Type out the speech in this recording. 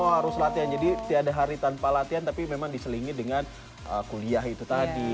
oh harus latihan jadi tiada hari tanpa latihan tapi memang diselingi dengan kuliah itu tadi